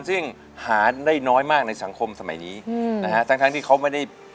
ซึ่งหารายน้อยมากในสังคมสำหรับนี้